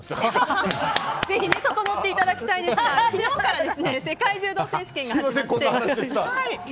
ぜひととのっていただきたいですが昨日から世界柔道選手権が始まって。